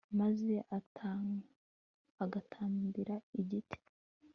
maze agatakambira igiti